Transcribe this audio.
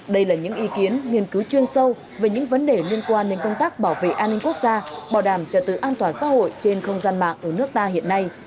đây là những ý kiến nghiên cứu chuyên sâu về những vấn đề liên quan đến công tác bảo vệ an ninh quốc gia bảo đảm trật tự an toàn xã hội trên không gian mạng ở nước ta hiện nay